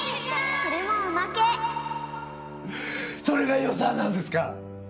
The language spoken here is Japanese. それが予算なんですか？